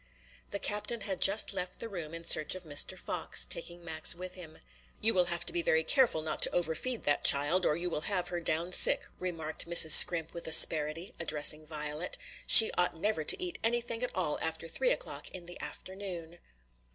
The captain had just left the room in search of Mr. Fox, taking Max with him. "You will have to be very careful not to overfeed that child, or you will have her down sick," remarked Mrs. Scrimp with asperity, addressing Violet. "She ought never to eat anything at all after three o'clock in the afternoon."